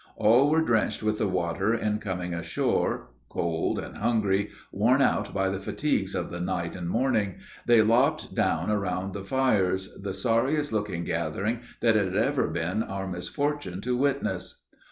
All were drenched with the water in coming ashore, cold and hungry, worn out by the fatigues of the night and morning, they lopped down around the fires, the sorriest looking gathering that it had ever been our misfortune to witness.